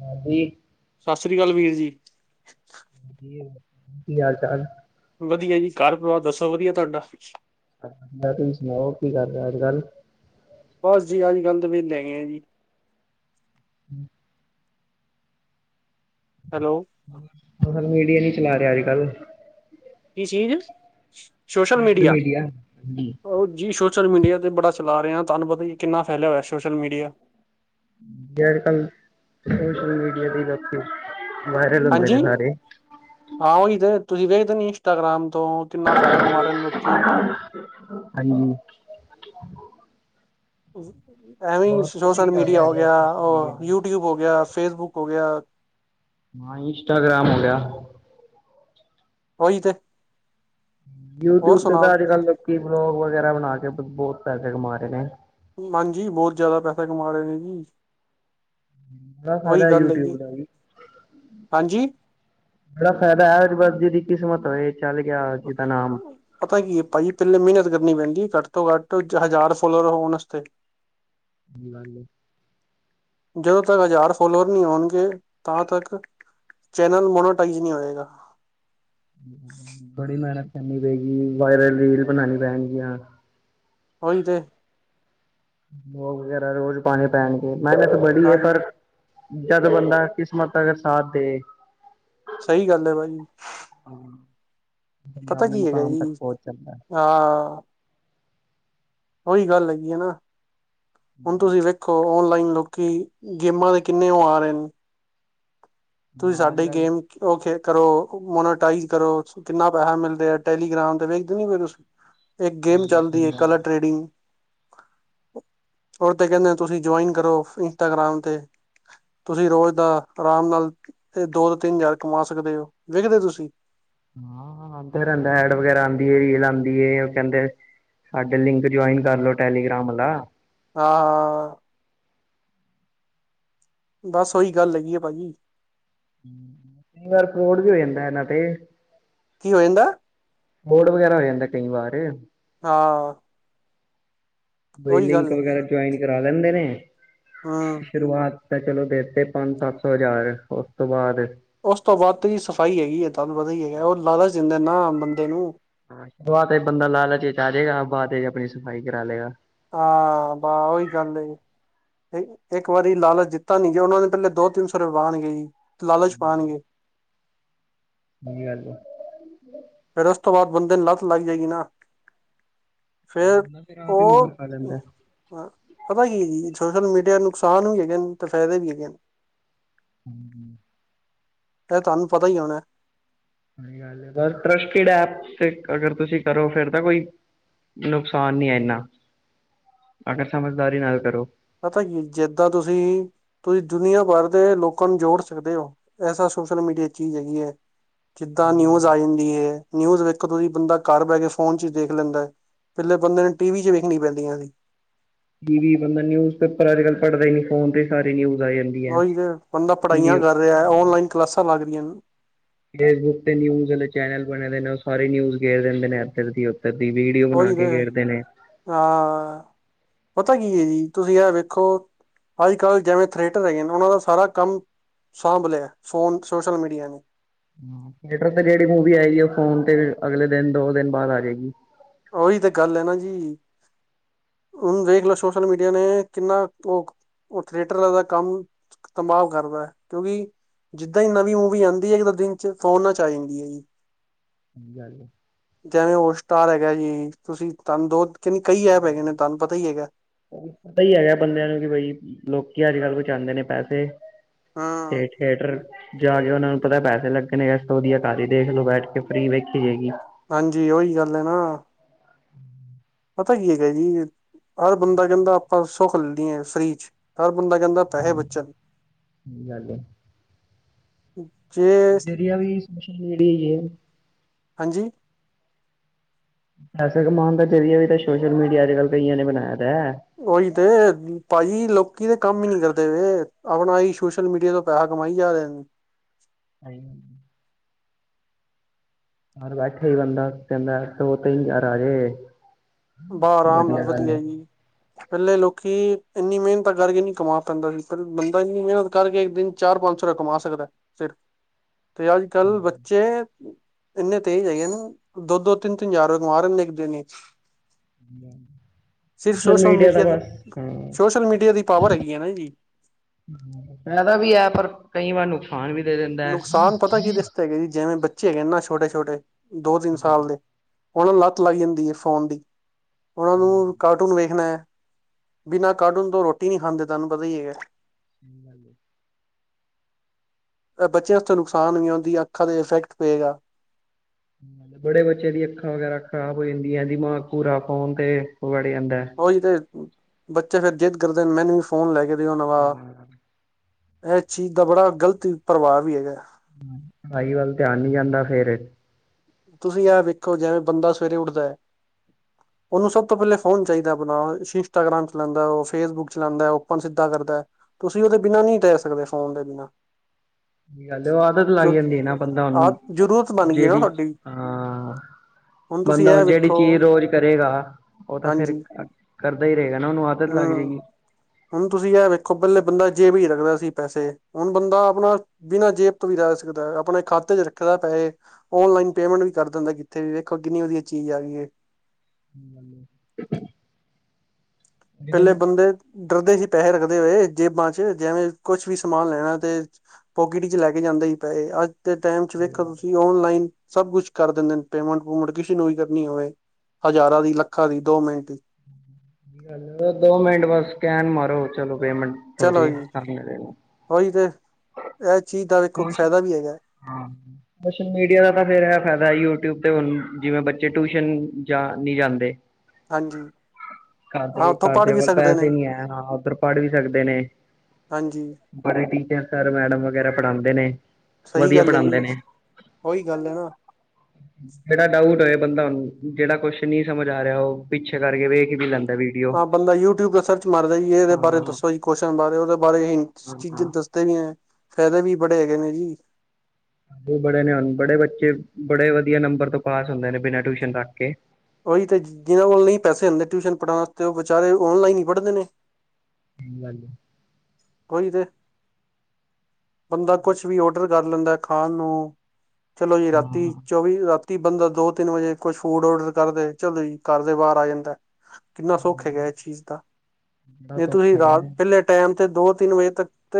ਹਾਜੀ ਸਤਿ ਸ੍ਰੀ ਅਕਾਲ ਵੀਰ ਜੀ। ਕਿ ਹਾਲ -ਚਾਲ? ਵਧੀਆ ਜੀ ਘਰ -ਪਰਿਵਾਰ ਦੱਸੋ ਵਧੀਆ ਤੁਹਾਡਾ? ਵਧੀਆ ਤੁਸੀਂ ਸੁਣਾਓ ਕਿ ਕਰ ਰਹੇ ਹੋ ਅੱਜਕਲ? ਵ ਲੈਗੇ ਆ ਜੀ। ਹਮ ਹੈਲੋ। ਮੀਡੀਆ ਨੀ ਚਲਾ ਰਿਹਾ ਅੱਜ -ਕੱਲ। ਕਿ ਚੀਜ਼, ਸੋਸ਼ਲ ਮੀਡੀਆ! ਉਹ ਜੀ ਸੋਸ਼ਲ। 'ਸੋਸ਼ਲ ਮੀਡੀਆ ' ਬੜਾ ਚਲਾ ਰਿਹਾਾਂ ਤੁਹਾਨੂੰ ਪਤਾ ਕਿੰਨਾ ਫੈਲ ਵੈਾ। ਜ ਕੱਲ ਸੋਸ਼ਲ ਮੀਡੀਆ ਤੇ ਹੀ ਦੱਸਿਓ। [unintelligible] ਵਾਇਰਲ ਹੁੰਦੇ ਹਾਂਜੀ ਨੇ ਸਾਰੇ ਹਾਂ ਉਹੀ ਤੇ ਤੁਸੀਂ ਵੇਖਦੇ ਨੀ ਇੰਸਟਾਗ੍ਰਾਮ ਤੋਂ ਕਿੰਨਾ ਪੈਸ ਕਮਾ ਰਹੇ ਨੇ ਲੋਕੀ ਹਾਂਜੀ ਹਮਮ । ਐਵੇਂ ਹੋਰ ਤੁਸੀਂ ਸੋਸ਼ਲ ਕੀ ਕਰ ਮੀਡੀਆ ਰਹੇ ਅੱਜ ਹੋ ਕੱਲ ਗਿਆ, ਸੋਸ਼ਲ ਮੀਡੀਆ ਉਹ ਤੇ ਯੂਟਿਊਬ ਹੋ ਗਿਆ, ਫੇਸਬੁੱਕ ਹੋ ਗਿਆ। ਹਾਂ ਇੰਸਟਾਗ੍ਰਾਮ ਹੋ ਗਿਆ। ਉਹੀ ਤੇ! ਹੋਰ ਯੂਟਿਊਬ ਤੇ ਤਾਂ ਸੁਣਾਓ ਅੱਜ- ਕੱਲ ਲੋਕੀ ਬਲੋਗ ਵਗੈਰਾ ਬਣਾ ਕੇ ਬਹੁਤ ਪੈਸੇ ਕਮਾ ਰਹੇ ਨੇ। ਹਾਂਜੀ, ਬਹੁਤ ਜ਼ਿਆਦਾ ਪੈਸਾ ਕਮਾ ਰਹੇ ਨੇ ਜੀ। ਬ ਉਹੀ ਫਾਇਦਾ ਗੱਲ ਹੈਗੀ ਯੂਟਿਊਬ ਦਾ ਵੀ! ਹਾਂਜੀ ਬੜਾ ਫਾਇਦਾ ਹੈ ਬਸ ਜੀਦੀ ਕਿਸਮਤ। ਹੋਏ ਚੱਲ ਗਿਆ ਜਿਹਦਾ ਨਾਮ ਪਤਾ ਕੀ ਹੈ ਭਾਜੀ ਪਹਿਲੇ ਮਿਹਨਤ ਕਰਨੀ ਪੈਣੀ ਘੱਟ ਤੋਂ ਘੱਟ ਹਜ਼ਾਰ ਫੋਲੋਵਰ ਹੋਣ ਵਾਸਤੇ। ਗੱਲ। ਜਦੋਂ ਤੱਕ ਹਜ਼ਾਰ ਫੋਲੋਵਰ ਨਹੀਂ ਹੋਉਣਗੇ ਤਾਂ ਤੱਕ। ਚੈਨਲ ਮੋਨੋਟਾਈਜ਼ ਨਹੀਂ ਹੋਏਗਾ। ਬੜੀ ਮਿਹਨਤ ਕਰਨੀ ਪਏਗੀ ਵਾਇਰਲ ਰੀਲ ਬਣਾਣੀ ਪੈਣਗੀਆਂ। ਓਹੀ ਤੇ! ਉਹ ਵਗੈਰਾ ਰੋਜ਼ ਪਾਣੀ ਪੈਣ ਕੇ ਮਿਹਨਤ ਬੜੀ ਹੈ ਹਾਂਜੀ ਪਰ। ਜਦ ਬੰਦਾ ਕਿਸਮਤ ਅਗਰ ਸਾਥ ਦੇ। ਸਹੀ ਗੱਲ ਹੈ ਭਾਜੀ। ਬੰਦਾ ਪਤਾ ਆਪਣੇ ਕੀ ਹੈਗਾ ਮੁਕਾਮ ਜੀ, ਤੱਕ ਪਹੁੰਚ ਜਾਂਦਾ ਹੈ। ਹਾਂ। ਉਹੀ ਗੱਲ ਹੈਗੀ ਹੈ ਨਾ, ਹੁਣ ਤੁਸੀਂ ਵੇਖੋ ਓਨਲਾਈਨ ਲੋਕੀ ਗੇਮਾਂ ਦੇ ਕਿੰਨੇ ਉਹ ਆ ਰਹੇ ਨੇ ਤੁਸੀਂ ਹਾਂ ਸਾਡੇ ਅੱਜ ਹੀ ਕੱਲ ਗੇਮ ਉਹ ਖੇ। ਕਰੋ ਮੋਨਟਾਈ ਕਰੋ ਕਿੰਨਾ ਪੈਸਾ ਮਿਲਦੇ ਆ ਟੈਲੀਗ੍ਰਾਮ ਤੇ ਵੇਖਦੇ ਨ ਫਿਰ ਤੁਸੀਂ। ਇੱਕ ਗੇਮ ਚੱਲਦੀ ਹੈ ਕਲਰ ਟ੍ਰੇਡਿੰਗ! ਸ, ਸ, ਸ, ਸ। [inaudible] ਹੋਰ ਤੇ ਕਹਿੰਦੇ ਤੁਸੀਂ ਜੁਆਇਨ ਕਰੋ ਇੰਸਟਾਗ੍ਰਾਮ ਤੇ। ਤੁਸੀਂ ਰੋਜ਼ ਦਾ ਆਰਾਮ ਨਾਲ। ਇਹ ਦੋ ਦੋ ਤਿੰਨ ਯਾਰ ਕਮਾ ਸਕਦੇ ਹੋ ਵੇਖਦੇ ਤੁਸੀਂ। ਹਾਂ ਆਂਦਾ ਰਹਿੰਦਾ ਹੈਡ ਵਗੈਰਾ ਆਉਂਦੀ ਹੈ ਰੀਲ ਆਉਂਦੀ ਹੈ ਉਹ ਕਹਿੰਦੇ। ਸਾਡੇ ਲਿੰਕ ਜੁਆਇਨ ਕਰ ਲੋ ਟੈਲੀਗ੍ਰਾਮ ਲ। ਹਾਂ, ਹਾਂ, ਅ, ਅ। ਬਸ ਉਓਹੀ ਗੱਲ ਹੈਗੀ ਆ ਭਾਜੀ। ਵਰ ੜ ਕੇ ਹੋਦਾਨਾ ਤੇੇ। [unintelligible] ਕੀ ਇ ਹੋ ਜਾਂਦਾ। ਮੋਓਡ ਵਗੈਰਾ ਹੋ ਜਾਂਦਾ ਕਈ ਵਾਰ। ਹਾਂ, ਅ। ਬਈ ਲਿੰਕ ਵਗੈਰਾ ਜੁਆਇਨ ਕਰਾ ਲੈਂਦੇ ਨੇ ਹਮ ਸ਼ੁਰੂਆਤ। ਤਾਂ ਚਲੋ ਦੇਤੇ ਪੰਜ ਸੱਤ ਸੌ ਹਜ਼ਾਰ ਉਸ ਤੋਂ ਬਾਅਦ। ਹਾਂ ਉਸ ਤੋਂ ਬਾਅਦ ਤੇਰੀ ਸਫ਼ਾਈ ਹੈਗੀ ਹੈ ਤੁਹਨ ਪਤਾ ਹੀ ਹੈਗਾ ਉਹ ਲਾਲ ਦਿੰਦੇ ਨਾ ਬੰਦੇ ਨੂੰ। ਹ ਸ਼ਵਾਤ ਬੰਦਾ ਲਾਲਚ ਚ ਆ ਜਾਏਗਾ ਬਾਦ ਚ ਆਪਣੀ ਸਫ਼ਾਈ ਕਰਾ ਲਏਗਾ। ਹਾਂ ਵਾਹ ਓਹੀ ਗੱਲ ਏ। ਇੱਕ ਵਾਰੀ ਲਾਲਚ ਜਿੱਤਾ ਨੀ ਗਿਆ ਉਹਨਾ ਦੇ ਪਹਿਲੇ ਦੋ ਤਿੰਨ ਸੌ ਰੁਪਏ ਬਾਹਣ ਗਏ ਜੀ। ਲਾਲਚ ਪਾਉਣਗੇ। ਨਹੀਂ ਫਿਰ ਉਸ ਤੋਂ ਬਾਅਦ ਬੰਦੇ ਨੂੰ ਲੱਤ ਲੱਗ ਜਾਏਗੀ ਨਾ। ਫਿਰ ਆਪ ਹੀ ਮਾਰ ਉਹ ਖਾ ਲੈਂਦਾ ਪਤਾ ਕੀ ਜੀ ਸੋਸ਼ਲ ਮੀਡੀ ਆ ਨੁਕਸਾਨ ਵੀ ਹੈਗੇ ਨੇ ਤੇ ਫਾਇਦੇ ਵੀ ਹੈਗੇ ਨੇ। ਹੂੰ ਹੂੰ ਇਹ ਤੁਹਾਨੂੰ ਪਤਾ ਹੀ ਹੋਣਾ ਏ। ਅਗਰ ਇੰਟਰਸਿਟੀ ਹੈ ਅਗਰ ਤੁਸੀਂ ਕਰੋ ਫਿਰ ਤਾਂ ਕੋਈ ਨੁਕਸਾਨ ਨਹੀ ਹੈ ਇਨਾ ਅਗਰ ਸਮਝਦਾਰੀ ਨਾਲ ਕਰੋ। ਪਤਾ ਕੀ ਜਿੱਦਾਂ ਤੁਸੀਂ ਤੁਸੀਂ ਦੁਨੀਆਂ ਭਰ ਦੇ ਲੋਕਾਂ ਨੂੰ ਜੋੜ ਸਕਦੇ ਹੋ ਐਸਾ ਸੋਸ਼ਲ ਮੀਡੀਆ ਚ ਹੀਜ਼ ਹੈਗੀ ਹੈ ਜਿੱਦਾਂ ਸਹੀ ਗੱਲ ਨਿਊਜ਼ ਹੈ। ਆ ਜਾਂਦੀ ਏ ਨਿਊਜ਼ ਵਿੱਚ ਕਦੋਂ ਹੀ ਬੰਦਾ ਘਰ ਬਹਿ ਕੇ ਫੋਨ ਚ ਦੇਖ ਲੈਂਦਾ ਹੈ ਪਹਿਲੇ ਬੰਦੇ ਨੂੰ ਟੀਵੀ ਚ ਵੇਖਣੀ ਪੈਂਦੀਆਂ ਸੀ। ਟੀਵੀ ਬੰਦਾ ਨਿਊਜ਼ ਪੇਪਰ ਅੱਜ ਕੱਲ ਪੜ੍ਹਦਾ ਹੀ ਨੀ ਫੋਨ ਤੇ ਸਾਰੇ ਨਿਊ ਉਹੀ ਤੇ ਬੰਦਾ ਪੜ੍ਹਾਈਆਂ ਕਰ ਰਿਹਾ ਔਨਲਾਈਨ ਕਲਾਸਾਂ ਲੱਗ ਰਹੀਆਂ ਨੇ। ਫੇਸ ਬੁੱਕ ਤੇ ਨਿਊਜ਼ ਵਾਲੇ ਚੈਨਲ ਬਣੇ ਦੇ ਨੇ ਉਹ ਸਾਰੀ ਨਊਜ਼ ਗੇਰ ਦਿੰਦੇ ਨੇ ਏਦਰ ਦੀ ੳਦਰ। ਦੀ ਵੀਡੀਓ ਬਣਾ ਉਹੀ ਤੇ ਕੇ ਖੇਡਦੇ ਨੇ। ਹਾਂ ਪਤਾ ਕੀ ਹੈ ਜੀ ਤੁਸੀਂ ਇਹ ਵੇਖੋ ਅੱਜ ਕੱਲ੍ਹ ਜਿਵੇਂ ਥਏਟਰ ਹੈਗੇ ਨੇ ਉਹਨਾਂ ਦਾ ਸਾਰਾ ਕੰਮ ਸਾਂਭ ਲਿਆ ਫੋਨ ਸੋਸ਼ਲ ਮੀਡੀਆ ਨੇ। ਥੀਏਟਰ ਤੇ ਜਿਹੜੀ ਮੂਵੀ ਆਏਗੀ ਉਹ ਫੋਨ ਤੇ ਅਗਲੇ ਦਿਨ ਦੋ ਦਿਨ ਬਾਅਦ ਆ ਜਾਏਗੀ। ਉਹੀ ਤੇ ਗੱਲ ਹੈ ਨਾ ਜੀ। ਹੁਣ ਵੇਖ ਲੋ ਸੋਸ਼ਲ ਮੀਡੀਆ ਨੇ ਕਿੰਨਾ ਭ ਉਹ ਥੀਏਟਰ ਦਾ ਕੰਮ ਤਬਾਅ ਕਰਦਾ ਹੈ। ਕਿਉਂਕਿ ਜਿੱਦਾਂ ਹੀ ਨਵੀਂ ਮੂਵੀ ਆਉਂਦੀ ਹੈ ਇੱਕ ਤਾਂ ਦਿਨ ਚ ਫੋਨਨਾਂ ਚ ਆ ਜਾਂਦੀ ਹੈ ਜੀ। ਸਹੀ ਗਲ ਏ। ਜੈਵੇਂ ਹੋਟ ਸਟਾਰ ਹੈਗਾ ਜੀ ਤੁਸੀਂ ਤੁਹਾਨੂੰ ਦੋ ਤੀਨ ਕਈ ਐਪ ਹੈਗੇ ਨੇ ਤੁਹਾਨੂੰ ਪਤਾ ਹੀ ਹੈਗਾ। ਪਤਾ ਹੀ ਹੈਗਾ ਬੰਦਿਆਂ ਨੂੰ ਕਿ ਬਈ ਲੋਕੀ ਅੱਜ ਕੱਲ੍ਹ ਬਚਾਉਂਦੇ ਨੇ ਪੈਸੇ। ਹਾਂ ਤੇ ਥੀਏਟਰ ਜਾ ਕੇ ਉਹਨਾਂ ਨੂੰ ਪਤਾ ਏ ਪੈਸੇ ਲੱਗਣੇਗੇ ਇਸ ਤੋਂ ਵਧੀਆ ਘਾਰ ਹੀ ਦੇਖ ਲਓ ਬੈਠ ਕੇ ਫ੍ਰਰੀ ਵੇਖੀ ਜਾਏਗੀ। ਹਾਂਜੀ ਓਹੀ ਗੱਲ ਹੈ ਨਾ ਪਤਾ ਕੀ ਹੈਗਾ ਜੀ, ਹਰ ਬੰਦਾ ਕਹਿੰਦਾ ਆਪਾਂ ਸੁਖ ਲੈ ਲਈਏ ਸਹੀ ਚ। ਬੰਦਾ ਕਹਿੰਦਾ ਪੈਹੇ ਬਚਣ। ਸਹੀ ਗੱਲ ਹੈ ਜੇ ਜ਼ਰੀਆ ਵੀ ਸੋਸ਼ਲ ਮੀਡੀਆ ਏ। ਹਾਂਜੀ? ਪੈਸੇ ਕਮਾਉਣ ਦਾ ਜ਼ਰੀਆ ਵੀ ਤਾਂ ਸੋਸ਼ਲ ਮੀਡੀਆ ਅੱਜ ਕੱਲ੍ਹ ਕਈਆਂ ਨੇ ਬਣਾਇਆ। ਦਾ ਹੈ ਉਹੀ ਤੇ ਭਾਜੀ ਲੋਕ। ਲੋਕੀ ਤੇ ਕੰਮ ਹੀ ਨੀ ਕਰਦੇ ਪਏ ਆਪਣਾ ਆਈ ਸੋਸ਼ਲ ਮੀਡੀਆ ਤੋਂ ਪੈਹਾ ਕਮਾਈ ਜਾ ਰਹੇ ਨੇ। ਆਈ। ਘਰ ਬੈਠੇ ਹੀ ਬੰਦਾ ਕਹਿੰਦਾ ਦੋ, ਤਿੰਨ ਹਜਾਰ ਆਜੇ। ਬਾਹ ਆਰਾਮ ਨਾਲ ਵਧੀਆ ਜੀ। ਪਹਿਲੇ ਲੋਕੀ ਇੰਨੀ ਮਿਹਨਤ ਕਰਕੇ ਨਹੀਂ ਕਮਾ ਪਾਦਾ ਸੀ, ਪਰ ਬੰਦਾ ਇੰਨੀ ਮਿਹਨਤ ਕਰਕੇ ਇੱਕ ਦਿਨ ਚਾਰ ਪੰਜ ਸੌ ਰੁਪਏ। ਕਮਾ ਸਕਦਾ ਫਿਰ [inaudible] ਤੇ ਅੱਜ ਕੱਲ੍ਹ ਬੱਚੇ ਇੰਨੇ ਤੇਜ਼ ਹੈਗੇ ਨੇ ਦੋ ਦੋ ਤਿੰਨ ਤਿੰਨ ਹਜ਼ਾਰ ਰੁਪਏ ਕਮਾ ਰਹੇ ਇੱਕ ਦਿਨ ਚ। ਸੋਸ਼ਲ ਮੀਡੀਆ ਦਾ ਬਸ ਹਾਂ। ਸੋਸ਼ਲ ਮੀਡੀਆ ਦੀ ਪਾਵਰ ਹੈਗੀ ਹੈ ਨਾ ਜੀ ਫਾਇਦਾ ਵੀ ਹੈ ਪਰ ਕਈ ਵਾਰ ਨੁਕਸਾਨ। ਵੀ ਦੇ ਦਿੰਦਾ ਹੈ। ਨੁਕਸਾਨ ਪਤਾ ਕਿਦੇ ਵਸਤੇ ਹੈਗੇ ਜੀ ਜਿਵੇਂ ਬੱਚੇ। ਬੱਚੇ ਹੈਗੇ ਨਾ, ਛੋਟੇ-ਛੋਟੇ ਦੋ-ਤਿੰਨ ਸਾਲ ਦੇ। ਉਹਨਾਂ ਨੂੰ ਲੱਤ ਲੱਗ ਜਾਂਦੀ ਹੈ ਫੋਨ ਦੀ। ਉਹਨਾਂ ਨੂੰ ਕਾਰਟੂਨ ਵੇਖਣਾ ਹੈ। ਬਿਨਾਂ ਕਾਰਟੂਨ ਤੋਂ ਰੋਟੀ ਨਹੀਂ ਖਾਂਦੇ, ਤੁਹਾਨੂੰ ਪਤਾ ਹੀ ਹੈਗਾ। ਹੈਲੋ। ਬੱਚਿਆਂ ਨੂੰ ਨੁਕਸਾਨ ਵੀ ਹੁੰਦਾ ਹੈ, ਅੱਖਾਂ ਤੇ ਇਫੈਕਟ ਈ ਪਏਗਾ। ਬੜੇ ਬੱਚੇ ਦੀਆਂ ਅੱਖਾਂ ਵਗੈਰਾ ਖਰਾਬ ਹੋ ਜਾਂਦੀਆਂ, ਦਿਮਾਗ ਪੂਰਾ ਫੋਨ 'ਤੇ। ਦੇ ਆਂਦਾ। ਉਹੀ ਤੇ ਬੱਚੇ ਫਿਰ ਜ਼ਿੱਦ ਕਰਦੇ ਨੇ, ਮੈਨੂੰ ਵੀ ਫ਼ੋਨ ਲੈ ਕੇ ਦਿਓ ਨਾ ਨਵਾਂ। ਪੜ੍ਹਾਈ ਇਹ ਚੀਜ਼ ਦਾ ਬੜਾ ਗ਼ਲਤ ਪ੍ਰਭਾਵ ਵੀ ਹੈਗਾ। ਪੜ੍ਹਾਈ ਵੱਲ ਧਿਆਨ ਨਹੀਂ ਜਾਂਦਾ ਫੇਰ। ਤੁਸੀਂ ਆ ਵੇਖੋ ਜਿਵੇਂ ਬੰਦਾ ਸਵੇਰੇ ਉੱਠਦਾ ਹੈ। । ਉਹਨੂੰ ਸਭ ਤੋਂ ਪਹਿਲਾਂ ਫੋਨ ਚਾਹੀਦਾ। ਆਪਣਾ ਇੰਸਟਾਗ੍ਰਾਮ ਚਲਾਉਂਦਾ, ਫੇਸਬੁੱਕ ਚਲਾਉਂਦਾ, ਓਪਨ ਸਿੱਧਾ ਕਰਦਾ ਹੈ। ਤੁਸੀਂ ਉਹਦੇ ਬਿਨਾਂ ਨਹੀਂ ਰਹਿ ਸਕਦੇ ਫੋਨ ਦੇ ਬਿਨਾ। ਗੱਲ ਉਹ ਆ, ਆਦਤ ਲੱਗ ਜਾਂਦੀ ਨਾ ਬੰਦਾ ਉਹਨੂੰ ਆਹ ਜ਼ਰੂਰਤ ਬਣ ਗਈ ਨਾ ਜਿਹੜੀ। ਤੁਹਾਡੀ ਹਾਂ, ਹੁਣ ਤੁਸੀਂ ਬੰਦਾ ਇਹ ਜਿਹੜੀ ਵੇਖੋ ਚੀਜ਼ ਰੋਜ਼ ਕਰੇਗਾ। ਉਹ ਤਾਂ ਫਿਰ ਹਾਂਜੀ ਕਰਦਾ ਹੀ ਰਹੇਗਾ ਨਾ, ਉਹਨੂੰ ਆਦਤ ਲੱਗ ਹਮ ਜਾਏਗੀ। ਹੁਣ ਤੁਸੀਂ ਇਹ ਵੇਖੋ, ਪਹਿਲਾਂ ਬੰਦਾ ਜੇਬ ਵਿੱਚ ਰੱਖਦਾ ਸੀ ਪੈਸੇ। ਹੁਣ ਬੰਦਾ ਆਪਣਾ ਬਿਨਾਂ ਜੇਬ ਤੋਂ ਵੀ ਰਹਿ । ਸਕਦਾ ਆਪਣੇ ਖਾਤੇ ਚ ਰੱਖੇ ਪੈਸੇ, ਔਨਲਾਈਨ ਪੇਮੈਂਟ ਵੀ ਕਰ ਦਿੰਦਾ। ਕਿੱਥੇ ਵੀ ਵੇਖੋ, ਕਿੰਨੀ ਵਧੀਆ ਚੀਜ ਹੈ। ਏ। ਹੈਲੋ। ਪਹਿਲੇ ਬੰਦੇ। ਡਰਦੇ ਸੀ ਪੈਸੇ ਰੱਖਦੇ ਹੋਏ ਜੇਬਾਂ ਚ ਜਿਵੇਂ ਕੁਛ ਵੀ ਸਮਾਨ ਲੈਣਾ ਤੇ ਪਕੇਟ ਚ ਲੈ ਕੇ। ਜਾਂਦੇ ਸੀ ਪੈਸੇ ਅੱਜ ਦੇ ਟਾਈਮ ਚ ਵੇਖੋ, ਤੁਸੀਂ ਔਨਲਾਈਨ ਸਭ ਕੁਝ ਕਰ ਦਿੰਦੇ ਪੇਮੈਂਟ -ਪੂਮੈਂਟ ਕਿਸੇ ਨੂੰ। ਕਿੰਨੀ ਹੋਵੇ, ਹਜ਼ਾਰਾਂ ਦੀ, ਲੱਖਾਂ ਦੀ, ਦੋ ਮਿੰਟ ਚ । ਦੋ ਮਿੰਟ, ਬਸ ਸਕੈਨ ਮਾਰੋ, ਚੱਲੋ। ਪੇਮੈਂਟ ਹੋ ਜਾ [inaudible] ਏ ਤੈਨੂੰ। ਅੱਛਾ। ਸੋਸ਼ਲ ਸੋਸ਼ਲ ਮੀਡੀਆ ਦਾ ਤਾਂ ਫਿਰ ਇਹ ਫਾਇਦਾ ਹੈ, ਯੂਟਿਊਬ। ਯੂਟਿਊਬ ਹੁਣ ਜਿਵੇਂ, ਬੱਚੇ ਟਿਊਸ਼ਨ ਜਾਂ ਨਹੀਂ ਜਾਂਦੇ। ਹਾਂਜੀ ਘਰ ਦੇ ਆਪ। ਘਰ ਦਿਆਂ ਕੋਲ ਪੈਸੇ ਨਹੀਂ ਆ। ਹਾਂ, ਉੱਧਰ ਪੜ੍ਹ ਵੀ ਸਕਦੇ ਨੇ। ਹਾਂਜੀ ਬੜੇ ਟੀਚਰ, ਸਰ, ਮੈਡਮ ਵਗੈਰਾ ਪੜਾਉਂਦੇ ਨੇ, ਸਹੀ ਵਧੀਆ ਗੱਲ ਹੈ ਪੜਾਉਂਦੇ ਜੀ ਨੇ। ਉਹੀ ਗੱਲ ਹੈ ਨਾ? ਜੇੜਾ ਡਾਊਟ। ੂਟਏ ਬੰਦਾ ਨੂੰ ਜਿਹੜਾ, ਕੁਝ ਨਹੀਂ ਸਮਝ ਆ ਰਿਹਾ, ਉਹ ਪਿੱਛੇ ਕਰਕੇ ਵੇਖ ਵੀ, ਲੈਂਦਾ ਵੀਡੀਓ। ਹਾਂ ਬੰਦਾ ਯੂਟਿਊਬ, ਤੇ ਸਰਚ ਮਾਰਦਾ ਜੀ, ਇਹਦੇ ਬਾਰੇ ਹਾਂ ਦੱਸੋ ਜੀ, ਕੋਸ਼ਚਨ ਬਾਰੇ, ਉਹਦੇ ਬਾਰੇ ਹਾਂ ਚੀਜ਼ਾਂ ਹਾਂ ਦੱਸਦੇ ਵੀ ਹੈਂ। ਫ਼ਾਇਦੇ ਵੀ, ਬੜੇ ਹੈਗੇ ਨੇ ਜੀ। ਬੜੇ ਨੇ। ਹੁਣ ਬੜੇ ਬੱਚੇ, ਬੜੇ ਵਧੀਆ, ਨੰਬਰਾਂ ਤੋਂ, ਪਾਸ ਹੁੰਦੇ ਨੇ। ਬਿਨਾਂ, ਟਿਊਸ਼ਨ ਰੱਖੇ ਕੇ । ਉਹੀ ਤੇ, ਜਿਨਾਂ ਕੋਲ, ਨਹੀ ਪੈਸੇ ਹੁੰਦੇ, ਟਿਊਸ਼ਨ ਪੜਣ ਵਾਸਤੇ, ਉਹ ਬੇਚਾਰੇ ਔਨਲਾਈਨ ਹੀ, ਪੜਦੇ ਨੇ। ਕੀ, ਗੱਲ ਹੈ? ਉਹੀ ਬੰਦਾ ਕੁਝ ਵੀ, ਔਡਰ ਕਰ ਲੈਂਦਾ ਹੈ, ਖਾਣ ਨੂੰ। ਚਲੋ ਜੀ, ਰਾਤੀ, ਹਾਂ ਚੌਵੀ ਰਾ। ਬੰਦਾ ਦੋ, ਤਿੰਨ ਵਜੇ ਕੁਝ, ਫੂਡ ਆਰਡਰ ਕਰਦੇ। ਚਲੋ ਜੀ, ਘਰ ਦੇ ਬਾਹਰ ਆ ਜਾਂਦਾ ਹੈ। ਕਿੰਨਾ ਸੌਖ ਹੈਗਾ, ਇਹ ਚੀਜ਼ ਦਾ। ਬੜਾ ਜੇ ਤੁਸੀਂ ਸੌਖਾ ਹੈਗਾ ਰਾਤ, ਪਹਿਲੇ ਟਾਈਮ। ਇੱਥੇ, ਦੋ, ਤਿੰਨ ਵਜੇ ਤੱਕ ਤੇ,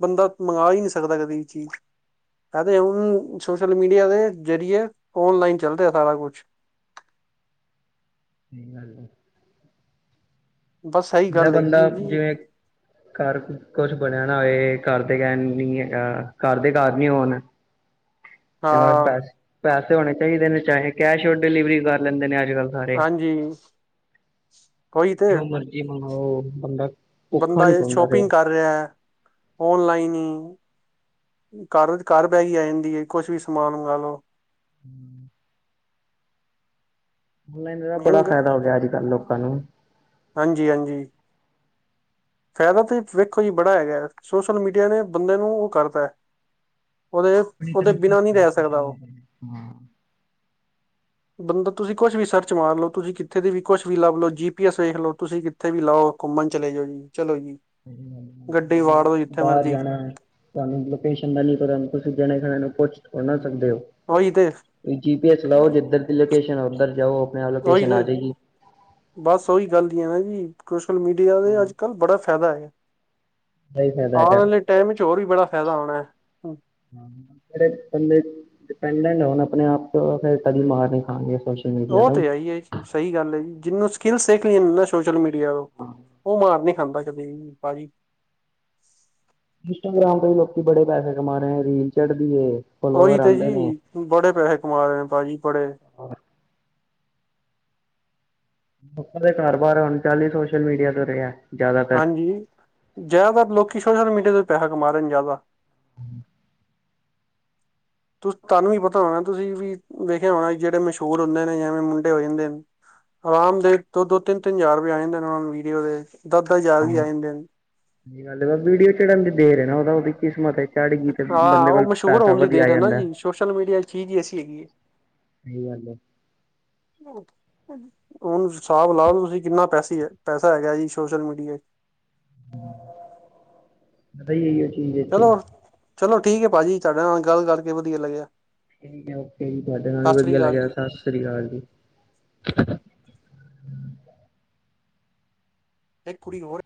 ਬੰਦਾ ਮੰਗਾ ਹੀ, ਨਹੀਂ ਸਕਦਾ ਕਦੀ ਵੀ, ਚੀਜ਼ । ਇਹ ਤਾਂ ਹੁਣ, ਸੋਸ਼ਲ ਮੀਡੀਆ ਦੇ ਜ਼ਰੀਏ, ਔਨਲਾਈਨ, ਚੱਲਦਾ ਹੈ। ਸਾਰਾ ਕੁਝ। ਕੀ, ਗੱਲ ਐ। ਬਸ ਸਹੀ ਜਾ, ਗੱਲ ਹੈਗੀ ਬੰਦਾ, ਹੈ ਜੀ ਜਿਵੇਂ ਘਰ ਕੁਝ ਬਣਿਆ ਨਾ ਹੋਏ । ਘਰਦੇ ਕਹਿਣ ਨਹੀਂ, ਹੈਗਾ। ਘਰਦੇ ਘਰ ਨਹੀਂ ਹੋਣ ਹਾਂ ਪੈਸੇ [unintelligible] ਪੈਸੇ ਹੋਣੇ ਚਾਹੀਦੇ ਨੇ, ਚਾਹੇ ਕੈਸ਼ ਔਨ ਡਿਲੀਵਰੀ ਕਰ ਲੈਂਦੇ ਨੇ ਅੱ- ਅੱ ਕੱਲ ਸਾਰੇ। ਹਾਂਜੀ ਉਹੀ ਤੇ ਜੋ, ਮਰਜੀ ਮੰਗਵਾਓ। ਬੰਦਾ। ਭੁੱਖਾ ਬੰਦਾ, ਨੀ ਜੇ ਸੌਂਦਾ ਫਿਰ ਸ਼ੋਪਿੰਗ, ਕਰ ਰਿਹਾ ਹੈ। ਔਨਲਾਈਨ ਹੀ। ਘਰ- ਘਰ, ਬੈ ਗਈ ਆ ਜਾਂਦੀ ਹੈ। ਕੁਛਝ ਵੀ ਸਮਾਨ ਮੰਗਾ ਲਓ। ਹਮ [inaudible] ਲਾਈਨ ਮੇਨ ਬੜਾ, ਗ- ਫ਼ਾਇਦਾ ਹੋ ਗਿਆ। ਅੱਜ ਕੱਲ ਲੋਕਾਂ ਨੂੰ। ਹਾਂਜੀ- ਹਾਂਜੀ। ਫਾਇਦਾ ਤਾਂ, ਵੇਖੋ ਹੀ ਬੜਾ ਹੈਗਾ। ਸੋਸ਼ਲ ਮੀਡੀਆ ਨੇ ਬੰਦੇ ਨੂੰ, ਉਹ ਕਰਤਾ ਹੈ। ਉਹਦੇ ਆਪਣੀ ਤਰ ਉਹਦੇ [unintelligible] ਬਿਨਾਂ ਨਹੀਂ ਜਾ ਰਹਿ ਸਕਦਾ ਉਹ। ਬੰਦਾ ਤੁਸੀਂ ਕੁਛ ਵੀ, ਸਰਚ ਮਾਰ ਲਓ। ਤੁਸੀਂ ਕਿੱਥੇ ਦੀ ਵੀ, ਕੁਛ ਵੀ, ਲੱਭ ਲਓ। ਜੀ ਪੀ ਐਸ ਵੇਖ ਲਓ। ਤੁਸੀਂ ਕਿੱਥੇ ਵੀ ਲਓ। ਘੁੰਮਣ, ਚਲੇ ਜਾਓ ਜੀ। ਚਲੋ ਜੀ ਹਾਂ। ਗੱਡੀ ਵਾੜ ਦੋ ਹਾਂਜੀ, ਜਿੱਥੇ ਬਾਹਰ ਮਰਜੀ ਜਾਣਾ ਹੈ। ਤੁਹਾਨੂੰ ਲੋਕੇਸ਼ਨ ਦਾ ਨੀ ਪਤਾ। ਤੁਸੀਂ ਜਣੇ-ਖਏ, ਨੂੰ ਪੁੱਛ ਥੋੜੀ ਨਾ ਸਕਦੇ ਹੋ। ਉਹੀ ਤੇ ਜੀ ਪੀ ਐਸ ਚਲਾਓ ਜਿੱਧਰ ਦੀ ਲੋਕੇਸ਼ਨ, ਉੱਧਰ ਜਾਓ, ਆਪਣੇ ਆਪ, ਉਹੀ ਲੋਕੇਸ਼ਨ ਆ ਤੇ ਜਾਏਗੀ। ਬਸ ਔ ਹੀ, ਗੱਲ ਹੈ ਨਾ ਜੀ, ਸੋਸ਼ਲ ਮੀਡੀਆ ਦਾ, ਹਾਂ ਅਜ ਕੱਲ ਬੜਾ ਫਾਇਦਾ ਹੈ। ਸਹੀ ਫ਼ਾਇਦਾ ਆਉਣ ਹੈਗਾ ਵਾਲੇ, ਟਾਈਮ ਚ, ਹੋਰ ਵੀ ਬੜਾ ਫਾਇਦਾ ਆਉਣਾ ਹੈ। ਜਿਹੜੇ, ਬੰਦੇ ਡਿਪੈਂਡਟ ਹੋਣ, ਆਪਣੇ ਆਪ ਚ ਔਹ ਤੇ, ਕਦੀ ਮਾਰ, ਨਹੀਂ ਖਾਾਂਣਗੇ ਜੀ। ਉਹ ਤੇ, ਹੈਹੀ ਹੈ, ਜੀ। ਸਹੀ ਗੱਲ ਹੈ, ਜੀ। ਜਿਨੂੰ ਸਕਿੱਲ ਸਿੱਖਣੀ ਹੈ, ਨਾ। ਸੋਸ਼ਲ ਮੀਡੀਆ ਤੇ। ਉਹ, ਮਾਰ ਨਹੀਂ ਖਾਂਦਾ, ਕਦੇ। ਭਾਜੀ। ਇੰਸਟਾਗ੍ਰਾਮ, ਤੋਂ ਵੀ, ਲੋਕੀ ਬੜੇ ਪੈਸੇ, ਕਮਾ ਰਹੇ ਹੈ। ਰੀਲ, ਚੜਦੀ ਏ। ਓਹੀ, ਫੋਲੋਵਰ ਤੇ ਆਉਂਦੇ ਨੇ ਜੀ, ਬੜੇ ਪੈਸੇ, ਕਮਾ ਰਹੇ ਨੇ, ਭਾਜੀ ਬੜੇ। ਲੋਕਾਂ ਦੇ, ਘਰ- ਬਾਰ, ਹੁਣ, ਚੱਲ ਹੀ, ਸੋਸ਼ਲ ਮੀਡੀਆ ਤੋਂ ਰਿਹਾ। ਜ਼ਿਆਦਾਤਰ ਹਾਂਜੀ। ਜ਼ਿਆਦਾਤਰ, ਲੋਕੀ ਸੋਸ਼ਲ ਮੀਡੀਆ ਤੋ, ਪੈਸਾ ਕਮਾ ਰਹੇ ਨੇ, ਜ਼ਿਆਦਾ। ਤੁ ਤੁਹਾਨੂੰ ਵੀ, ਪਤਾ ਹੋਣਾ, ਤੁਸੀਂ ਵੀ ਵੇਖਿਆ ਹੋਣਾ। ਜਿਹੜੇ ਮਸ਼ਹੂਰ ਹੁੰਦੇ ਨੇ, ਜਿਵੇਂ ਮੁੰਡੇ ਹੋ, ਜਾਂਦੇ ਨੇ। ਆਰਾਮ ਦੇ, ਦੋ- ਦੋ, ਤਿੰਨ- ਤਿੰਨ, ਹਜ਼ਾਰਪਆ ਆ ਜਾਂਦੇ ਉਹਨਾਂ ਨੂੰ ਵੀਡੀਓ ਦੇ। ਦਸ ਦਸ ਹਜ਼ਾਰ ਵੀ ਆ ਜਾਂਦੇ ਨੇ ਸਹੀ ਗੱਲ, ਵੀਡੀਓ ਚੜਨ ਦੀ ਦੇਰ ਹੈ, ਨਾ। ਉਹਦਾ, ਉਹਦੀ ਕਿਸਮਤ ਹੈ। ਚੜ੍ਹ ਗਈ ਤੇ ਹਾਂ। ਬੰਦੇ ਕੋਲ ਉਹ, ਮਸ਼ਹੂਰ ਪੈਸਾ ਹੋਣ ਦੀ, ਵਧੀਆ ਆ ਦੇਰ ਹੈ, ਨਾ ਜਾਂਦਾ ਜੀ। ਸੋਸ਼ਲ ਮੀਡੀਆ, ਚੀਜ਼ ਹੀ, ਅਸੀ ਹੈਗੀ ਹੈ। ਸਹੀ, ਗੱਲ ਹੈ। ਹੂੰ। ਉਹ ਨੂੰ ਹਿਸਾਬ ਲਾ ਲਾਓ ਤੁਸੀਂ, ਕਿੰਨਾ ਪੈਸੇ, ਪੈਸਾ ਹੈਗਾ ਜੀ, ਸੋਸ਼ਲ ਮੀਡੀਆ ਚ। ਪਤਾ, ਇਹੀਓ ਚੀਜ਼ ਚਲੋ ਏ। ਚਲੋ, ਠੀਕ ਹੈ। ਭਾਜੀ ਤੁ ਸਾਡੇ ਨਾਲ, ਗੱਲ ਕਰਕੇ ਵਧੀਆ, ਲੱਗਿਆ। ਓ ਜੀ ਤੁਹਾਡੇ ਨਾਲ ਵੀ ਸਤਿ ਸ੍ਰੀ ਵਧੀਆ ਅਕਾਲ ਲੱਗਿਆ, ਜੀ ਸਤਿ ਸ੍ਰੀ ਅਕਾਲ ਜੀ। [unintelligible] ਇੱਕ ਕੁੜੀ ਹੋਰ